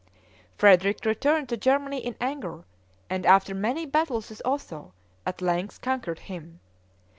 Frederick returned to Germany in anger, and, after many battles with Otho, at length conquered him.